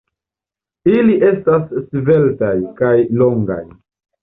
Ili estas sveltaj kaj longaj.